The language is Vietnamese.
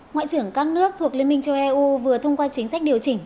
ngoại trưởng các nước thuộc liên minh châu eu vừa thông qua chính sách điều chỉnh